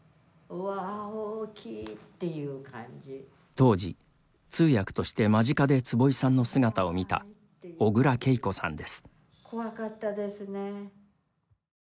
当時、通訳として間近で坪井さんの姿を見た小倉桂子さんです。